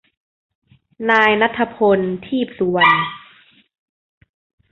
นายณัฏฐพล ทีปสุวรรณ